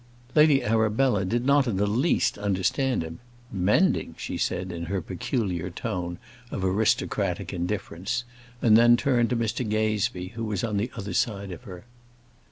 Lady Arabella did not in the least understand him. "Mending!" she said, in her peculiar tone of aristocratic indifference; and then turned to Mr Gazebee, who was on the other side of her.